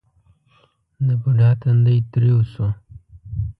د بوډا تندی ترېو شو: